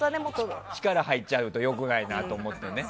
力が入っちゃうと良くないなと思ってね。